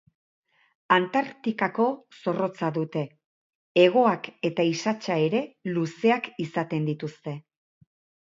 Antartikako zorrotza dute; hegoak eta isatsa ere luzeak izaten dituzte.